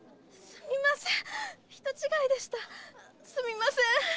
すみません！